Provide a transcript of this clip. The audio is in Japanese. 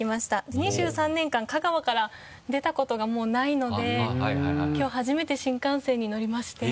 で２３年間香川から出たことがもうないのできょう初めて新幹線に乗りまして。